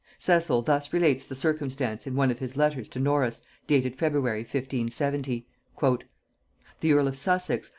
Cecil thus relates the circumstance in one of his letters to Norris, dated February 1570. "The earl of Sussex...